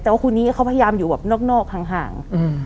แต่ว่าคนนี้เขาพยายามอยู่แบบนอกห่าง